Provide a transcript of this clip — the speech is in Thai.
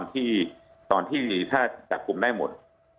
ตอนที่ตอบคุมได้หมด